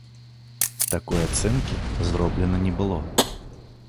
Такой ацэнкі зроблена не было.